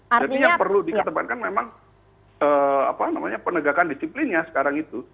jadi yang perlu dikatakan kan memang penegakan disiplinnya sekarang itu